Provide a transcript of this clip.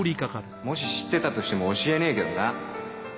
もし知ってたとしても教えねえけどな。